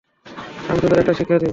আমি তাদের একটা শিক্ষা দিই।